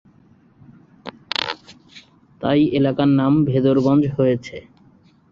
তাই এই এলাকার নাম ভেদরগঞ্জ হয়েছে।